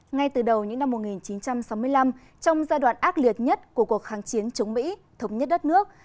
ngay từ đầu những năm một nghìn chín trăm sáu mươi năm trong giai đoạn ác liệt nhất của cuộc kháng chiến chống mỹ thống nhất đất nước